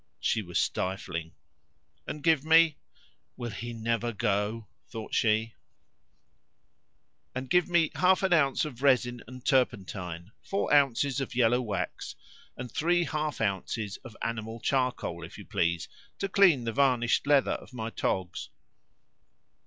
She was stifling. "And give me " "Will he never go?" thought she. "Half an ounce of resin and turpentine, four ounces of yellow wax, and three half ounces of animal charcoal, if you please, to clean the varnished leather of my togs."